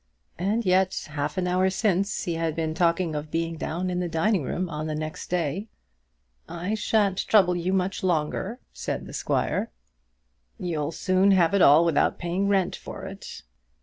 And yet half an hour since he had been talking of being down in the dining room on the next day. "I shan't trouble you much longer," said the squire. "You'll soon have it all without paying rent for it."